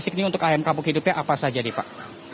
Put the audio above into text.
ini untuk ayam kampung hidupnya apa saja pak